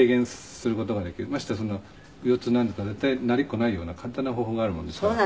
ましてや腰痛なんか絶対なりっこないような簡単な方法があるもんですから。